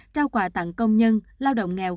trao quà tặng công nhân lao động nghèo